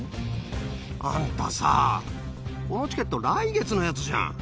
あんたさあ、このチケット、来月のやつじゃん。